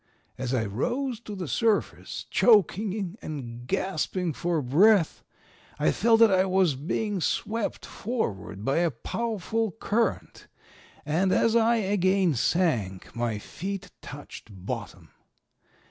As I rose to the surface, choking and gasping for breath, I felt that I was being swept forward by a powerful current, and as I again sank my feet touched bottom.